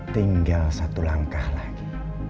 tinggal satu langkah lagi